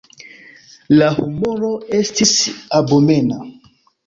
La humoro estis abomena.